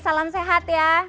salam sehat ya